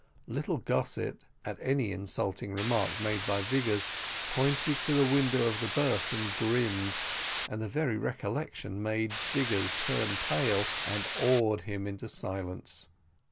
Little Gossett, at any insulting remark made by Vigors, pointed to the window of the berth and grinned; and the very recollection made Vigors turn pale, and awed him into silence.